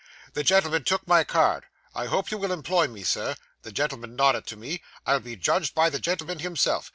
'The gentleman took my card. I hope you will employ me, sir. The gentleman nodded to me. I'll be judged by the gentleman himself.